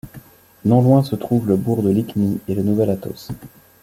Non loin se trouvent le bourg de Lykhny et le Nouvel Athos.